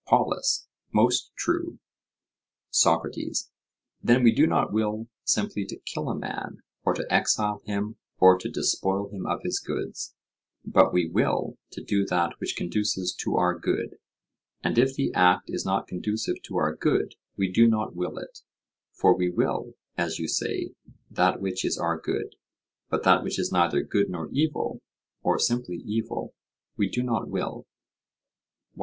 POLUS: Most true. SOCRATES: Then we do not will simply to kill a man or to exile him or to despoil him of his goods, but we will to do that which conduces to our good, and if the act is not conducive to our good we do not will it; for we will, as you say, that which is our good, but that which is neither good nor evil, or simply evil, we do not will.